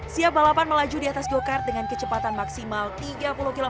siap balapan melaju di atas go kart dengan kecepatan maksimal tiga puluh km